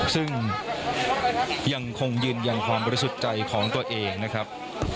ซึ่งยังคงยืนยันความบริสุทธิ์ใจของตัวเองนะครับ